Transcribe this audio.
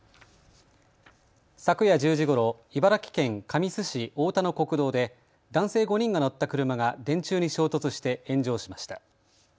昨夜１０時ごろ茨城県神栖市太田の国道で男性５人が乗った車が電柱に衝突して炎上しました。